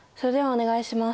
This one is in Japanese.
お願いします。